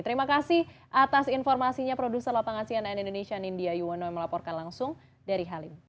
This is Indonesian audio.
terima kasih atas informasinya produser lapang asiana and indonesian india yuwono melaporkan langsung dari halim